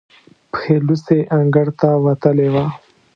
پښې لوڅې انګړ ته وتلې وه.